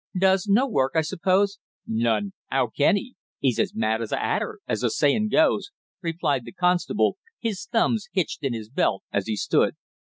"Does no work, I suppose?" "None. 'Ow can 'e? 'E's as mad as a hatter, as the sayin' goes," replied the constable, his thumbs hitched in his belt as he stood.